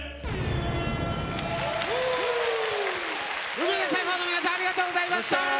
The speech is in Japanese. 梅田サイファーの皆さんありがとうございました！